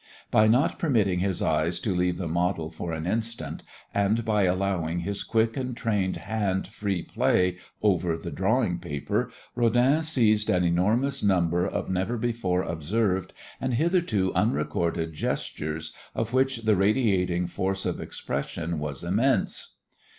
By not permitting his eyes to leave the model for an instant, and by allowing his quick and trained hand free play over the drawing paper Rodin seized an enormous number of never before observed and hitherto unrecorded gestures of which the radiating force of expression was immense.